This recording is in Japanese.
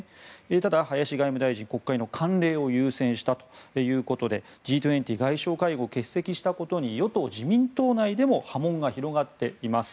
ただ林外務大臣、国会の慣例を優先したということでＧ２０外相会合を欠席したことに与党・自民党内でも波紋が広がっています。